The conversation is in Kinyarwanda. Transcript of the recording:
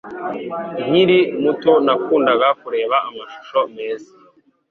Nkiri muto nakundaga kureba amashusho meza